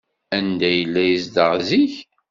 Anda ay yella yezdeɣ zik?